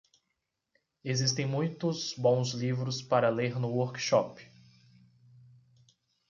Existem muitos bons livros para ler no workshop.